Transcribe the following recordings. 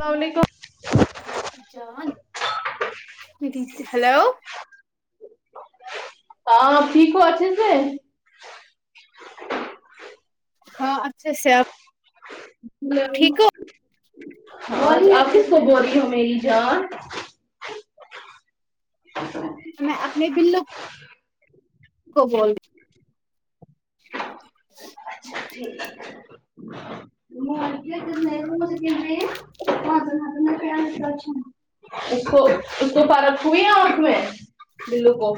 السلام علیکم ماما کی جان ہیلو ہاں ٹھیک ہو اچھے سے ہاں اچھے سے آپ ٹھیک ہو ہیلو اور آپ کس کو بول رہی ہو میری جان [inaudible] میں اپنے بلو کو بول اچھا ٹھیک ہے ج [inaudible] ا [unintelligible] نہیں [unintelligible] ب نہیں ہ ہ میں [unintelligible] چ اس کو اس کو پرکھ ہوئی نا اس میں بلو کو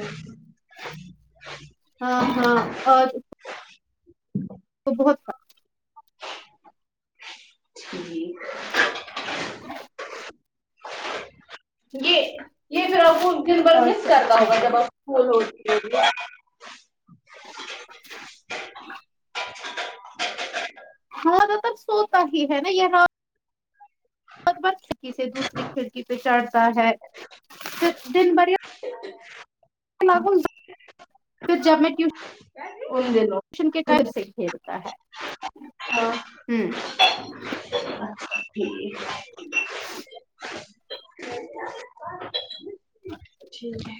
ہاں ہاں اور تو بہت جی ہاں یہ یہ پھر آپ کو دن بھر اور مس تو کرنا اچھا ہوگا ہے جب آپ پول ہو [inaudible] ہاں واں پر سوتا ہی ہے نا یہاں ب چ کسی سے دوسری کھڑکی پہ چڑھتا ہے دن بھر یہ [inaudible] [unintelligible] جب میں ٹیوش ان دنوں جن کے ٹائپ سے کھیلتا ہے ہاں ٹھیک [inaudible] ٹھیک ہے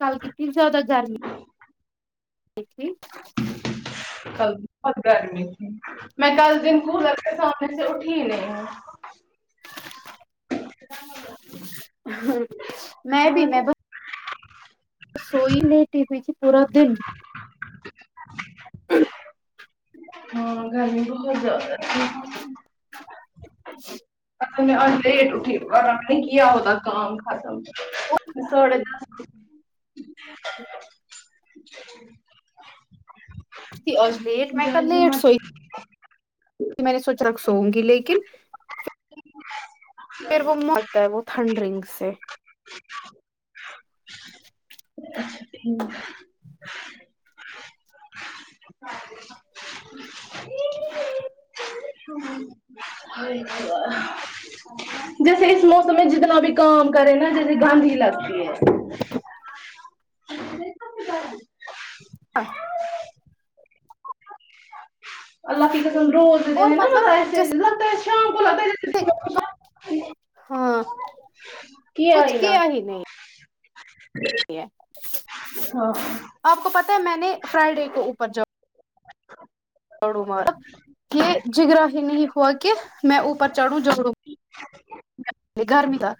کل کتنی زیادہ گرمی تھی کل بہت گرمی تھی میں کل دن کولر کے سامنے سے اٹھی ہی نہیں ہوں ہاں میں بھی میں ب سوئی لے ٹی ہوئی تھی پورا دن [inaudible] ہاں گھر بہت زیادہ اصل میں آج لیٹ اٹھی اور رات میں کیا ہوتا کام ختم ساڑھے دس اٹھی آج لیٹ میں کل لیٹ سوئی [inaudible] میں نے سوچ رکھ سوں گی لیکن پھر وہ مرتا ہے وہ تھنڈرنگ سے سنگ [inaudible] [inaudible] تو جیسے اس موسم میں جتنا بھی کام کرے نا جیسے گند ہی لگتی ہے ہاں اللہ کی قسم روز د اور دیے نا مطلب ایسے جیسے لگتا ہے شام کو [unintelligible] ہاں کچھ کیا ہی نہیں [inaudible] ہاں آپ کو پتہ ہے میں نے فرائیڈے کو اوپر جب جھگڑو مت یہ جگرا ہی نہیں ہوا کہ میں اوپر چڑھوں جھگڑوں یہ گرمی نہ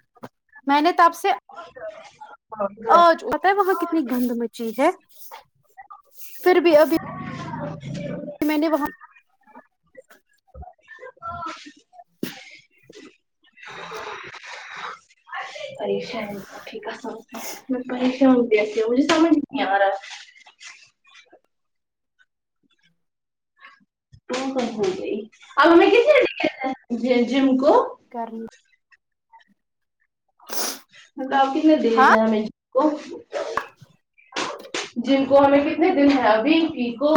میں نے تب سے [inaudible] آج بتہ ہے وہاں کتنی گند مچی ہے پھر بھی ابھی [inaudible] میں نے وباں پریشان ٹھیکا سمجھتے میں پریشان ہوں مجھے سمجھ نہیں آ رہا تو کب ہو گئی آج بھی [unintelligible] گئے تھے جم کو کرنی ہاں [unintelligible] [inaudible] جن کو ہمیں کتنے دن ہے ابھی ٹھیک ہو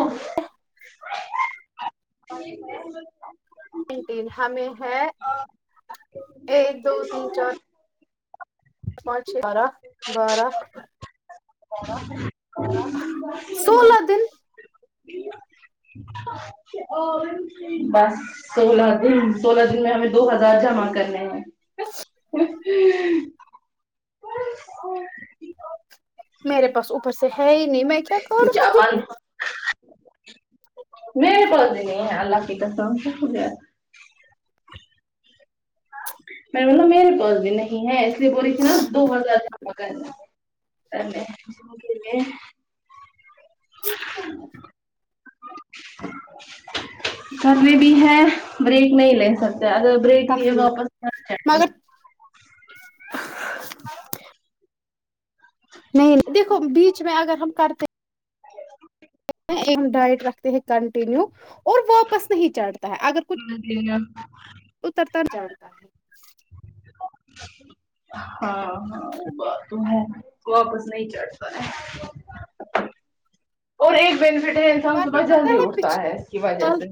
[inaudible] ہمیں ہے ایک دو تین چار پانچ چھ بارہ بارہ [inaudible] سولہ دن [inaudible] بس سولہ دن سولہ دن میں ہمیں دو ہزار جمع کرنے ہیں [inaudible] [inaudible] میرے پاس اوپر سے ہے ہی نہیں میں کیا کروں [inaudible] میرے پاس نہیں ہے اللہ کی قسم میرے پاس بھی نہیں ہے اس لیے بول رہی تھی نا دو ہزار زیادہ کرنا [inaudible] کبھی بھی ہے بریک نہیں لے سکتے اگر بریک لیے تفریح واپس جائیں مگر نہیں نہیں دیکھو بیچ میں اگر ہم کرتے ہ [inaudible] یہ ڈائیٹ رکھتے ہیں کنٹینیو اور واپس نہیں چڑھتا ہے اگر کچھ گے اتر تر جانتا ہے ہاں ہاں بات تو ہے واپس نہیں چڑھتا ہے اور ایک بینیفٹ ہے انسان ورنہ صبح پتا جلدی اٹھتا پچھلے ہے اس کی وجہ سال سے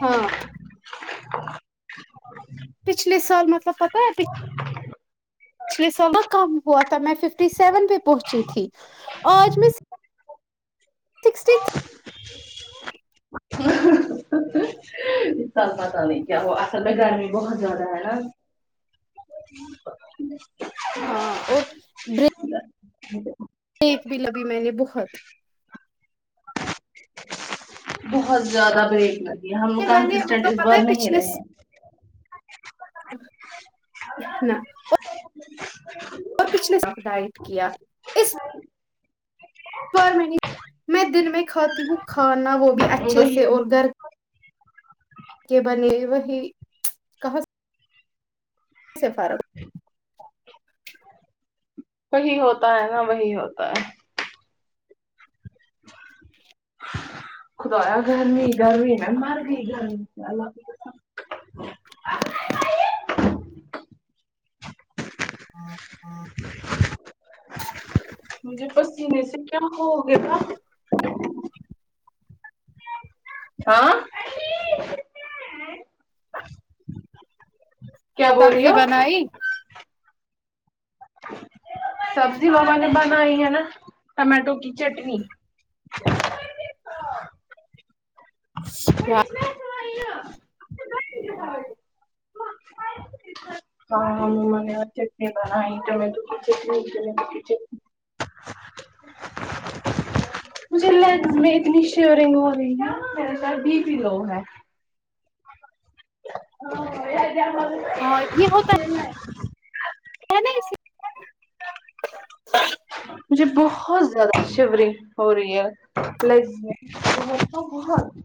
ہاں [inaudible] پچھلے سال مطلب پتا ہے پ پچھلے سال کم ہوا تھا میں ففٹی سیون پہ پہنچی تھی آج میں سکسٹی [inaudible] پتہ نہیں کیا وہ اصل میں گرمی بہت زیادہ ہے نا ہاں اور بریک [unintelligible] ایک بھی لبھی میں نے بہت بہت زیادہ بریک لگی ہم لوگ میں نے کنسسٹینٹ مطلب اس پتا بار نہیں رہے ہے نا اور پچھلے سال ڈائیٹ کیا پر میں نہیں میں دن میں کھاتی ہوں کھانا وہ بھی اچھے وہی سے اور گھر کہ بنے ایون ہی سے فرق ہو وہی ہوتا ہے نا وہی ہوتا ہے [inaudible] خدا گرمی گرمی میں مر گئی گرمی اللہ مجھے پسینے سے کیا ہو گیا تھا ہاں کیا بول رہی سبزی ہو بنائی سبزی بنا بنائی ہے نا ٹماٹو کی چٹنی [unintelligible] ہاں ہم نے آج چٹنی بنائی ٹماٹو کی چٹنی ٹماٹو کی چٹنی مجھے لینس میں اتنی شیورنگ ہو گئی نا میرا اتنا بی پی لو ہے ہاں ہاں [unintelligible] پتا نہیں مجھے بہت زیادہ شیفرنگ ہو رہی ہے [unintelligible] وہ تو بہت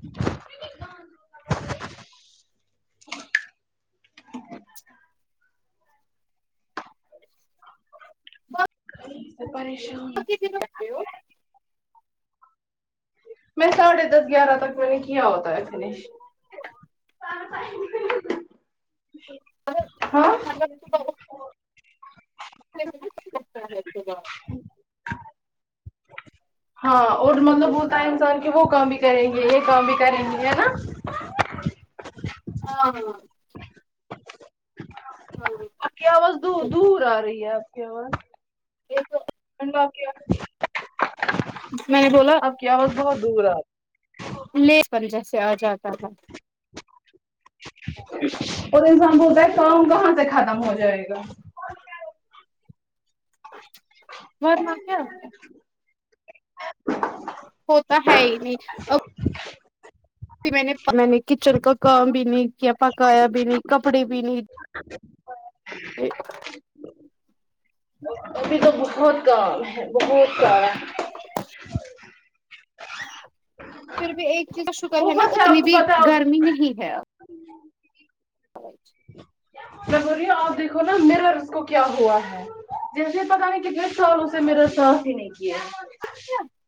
پریشان ہوں [unintelligible] میں ساڑھے دس گیارہ تک میں نے کیا ہوتا ہے فنش ہاں [unintelligible] [unintelligible] ہاں اور مطلب ہوتا ہے انسان کی وہ کام بھی کریں گے یہ کام بھی کریں گے ہے نا ہاں [unintelligible] آپ کی آواز دوں دور آ رہی ہے آپ کی آواز دیکھو [unintelligible] میں نے بولا آپ کی اواز بہت دور ہے نہیں پر ادھر سے آجاتا تھا اور انسان بولتا ہے کام کہاں سے ختم ہو جائے گا [unintelligible] وہ تو ہے ہی نہیں کی میں نے میں نے کچن کا کام بھی نہیں کیا پکایا بھی نہیں کپڑے بھی نہیں کے ابھی تو بہت کام ہے بہت کام ہے پھر بھی ایک چیز کا شکر ہے نا اوپر سے اتنی آپ کو بھی پتا گرمی نہیں ہے اب [unintelligible] کیا بول رہی ہو آپ دیکھو نا [unintelligible] کو کیا ہوا ہے جیسے پتا نہیں کتنے سالو سے مرر صاف ہی نہیں کیا [unintelligible]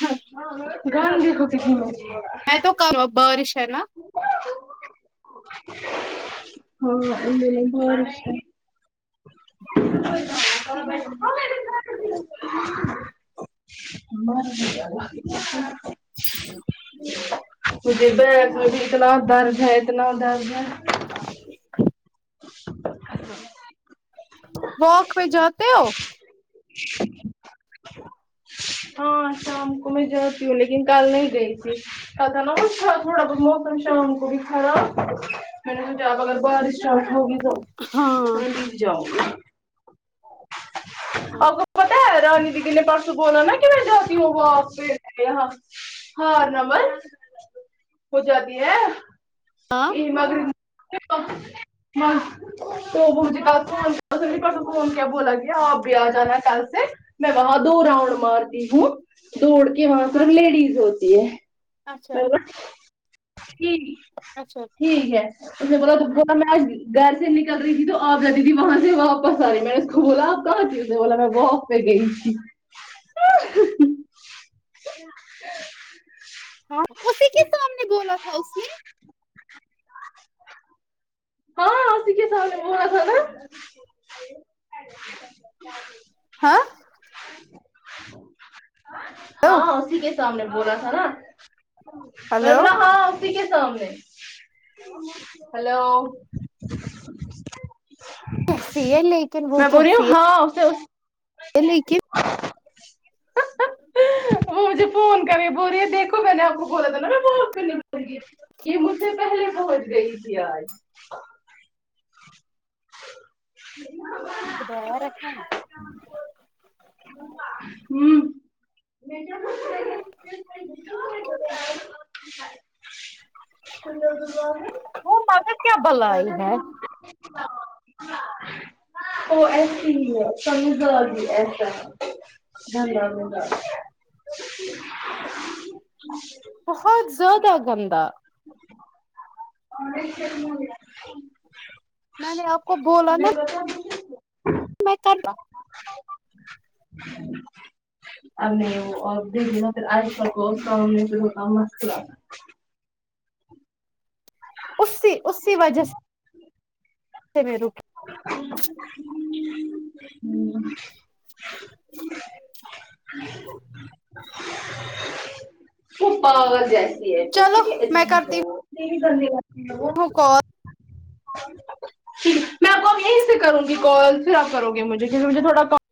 ہاں گان دی کوتی ک م [unintelligible] میں تو کرو بارش ہے نہ ہاں ا بہ [unintelligible] ہمار [unintelligible] مجھے درد میں بھی اتنا درد ہے اتنا درد ہے واک پہ جاتے ہو ہاں شام کو میں جاتی ہوں لیکن کل نہیں گئی تھی پتہ نا وہ تھوڑا بہت موسم شام گو بھی خراب کرنٹ جاےگا اگر بارش اسٹارٹ ہوگی تو ہاں نہیں جاؤ گا آپ ہاں کو پتہ ہے رانی دی دی نے پرسوں بولا نا کہ میں جاتی ہوں واک پے ہاں نمد ہو جاتی ہے یہ مغم تو [unintelligible] ہا تو مجھے کھا تھا کے بولا تھا کے پرسو فون کیا بولا کیا اپ بھی آ جانا کل سے میں وہاں دو راؤنڈ مارتی ہوں دوڑ کے وہاں صرف اچھا لیڈیز ہوتی ہے اچھا ہے نہ ٹھیک ہے اچھا ٹھیک ہے اس نے بولادیکھو میں آج گھر سے نکل رہی تھی تو آپ جاتی تھی وہاں سے واپس آ رہی میں نے اس کو بولا کھا گیی میں نے بولا واک پہ گیی تھی ہاں اسی کے سامنے بولا تھا اس نے ہا اسی کے سامنے بولا تھا نہ ہاں ہلو ہاں ہاں اسی کے سامنے بولا تھا نا میں نے ہلو بولا ہا اسی کے سامنے ہیلو کیسی ہے لیکن وہ میں بول رہی ہوں کیسی ہاں اسے لیکن مجھے فون کرے بول رہی ہے دیکھو میں نے آپ کو بولا تھا نہ میں واک کرنے گیی تھی یہ مجھسے پھلے پہنچ گیی تھی آج ہاں یہ باہر رکھا امم م [unintelligible] وہ مگر کیا بلائی ہے [unintelligible] وہ ایسی ہی ہے سمجھدار ہی ایسا ہے ج م [unintelligible] بہت زیادہ گندا جچ [inaudible] م م [unintelligible] میں نے آپ کو بولا نا [unintelligible] میں کرنا [unintelligible] فومے ہاؤس کو اسی اسی وجہ سے سے میرے امم امم پورے پاگل جیسے ہے وہ چلو تھوڑی میں عجیب کرتی ہے وہ ہوں کال [unintelligible] ٹھیک میں آپ کو تھوڑی دیر سا کروں گی کال پھر آپ کرو گے مجھے کیونکہ مجھے تھوڑا کام